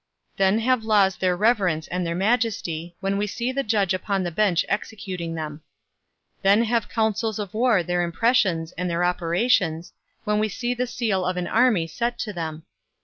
Then have laws their reverence and their majesty, when we see the judge upon the bench executing them. Then have counsels of war their impressions and their operations, when we see the seal of an army set to them.